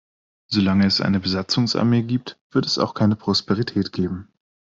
Solange es eine Besatzungsarmee gibt, wird es auch keine Prosperität geben.